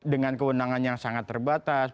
dengan kewenangan yang sangat terbatas